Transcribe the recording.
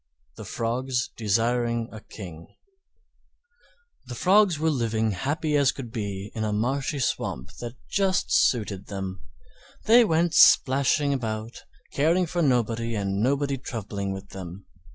THE FROGS DESIRING A KING The Frogs were living as happy as could be in a marshy swamp that just suited them; they went splashing about caring for nobody and nobody troubling with them.